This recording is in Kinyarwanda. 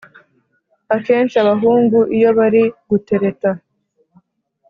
Akenshi abahungu iyo bari gutereta